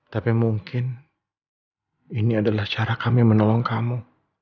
tapi mungkin ini adalah cara kami menolong kamu